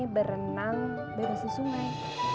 berenang berhasil sungai